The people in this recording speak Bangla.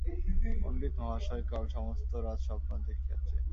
পণ্ডিতমহাশয় কাল সমস্ত রাত স্বপ্ন দেখিয়াছেন।